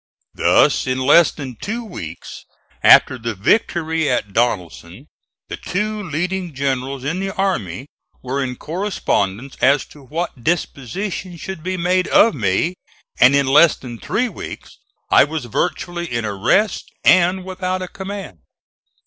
Thus in less than two weeks after the victory at Donelson, the two leading generals in the army were in correspondence as to what disposition should be made of me, and in less than three weeks I was virtually in arrest and without a command.